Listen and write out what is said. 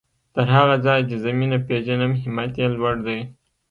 تر هغه ځايه چې زه مينه پېژنم همت يې لوړ دی.